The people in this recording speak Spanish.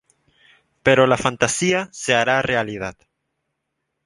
Pero la fantasía se hará realidad.